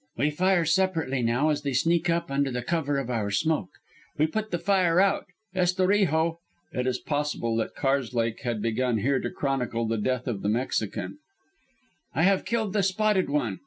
"We fire separately now as they sneak up under cover of our smoke. "We put the fire out. Estorijo " [It is possible that Karslake had begun here to chronicle the death of the Mexican.] "I have killed the Spotted One.